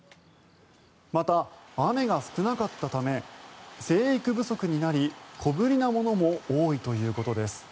また、雨が少なかったため生育不足になり小ぶりなものも多いということです。